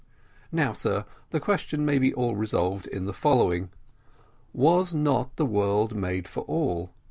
Now, sir, the question may all be resolved in the following. Was not the world made for all?